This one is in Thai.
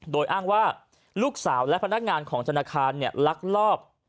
โดยอ้างว่าลูกสาวและพนักงานของธนาคารลักลอบ